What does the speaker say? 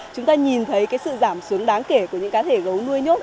chúng ta nhìn thấy cái sự giảm xuống đáng kể của những cá thể gấu nuôi nhốt